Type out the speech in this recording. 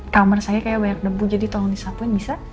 kamar saya kayak banyak debu jadi tolong disapuin bisa